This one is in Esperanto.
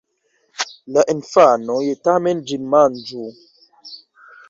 la infanoj tamen ĝin manĝu.